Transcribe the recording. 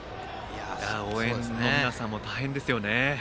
応援の皆さんも大変ですね。